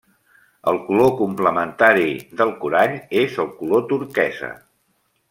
El color complementari del corall és el color turquesa.